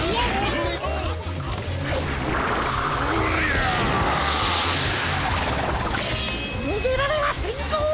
にげられはせんぞ！